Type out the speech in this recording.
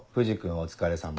お疲れさま。